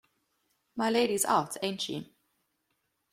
My Lady's out, ain't she?